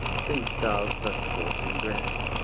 Think'st thou such force in Bread?